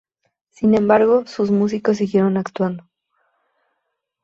Sin embargo, sus músicos siguieron actuando.